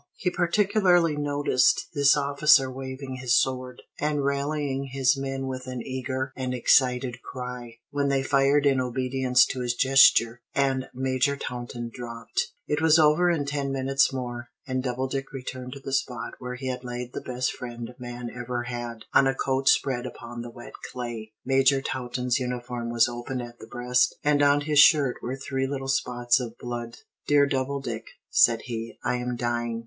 He particularly noticed this officer waving his sword, and rallying his men with an eager and excited cry, when they fired in obedience to his gesture, and Major Taunton dropped. It was over in ten minutes more, and Doubledick returned to the spot where he had laid the best friend man ever had, on a coat spread upon the wet clay. Major Taunton's uniform was opened at the breast, and on his shirt were three little spots of blood. "Dear Doubledick," said he, "I am dying."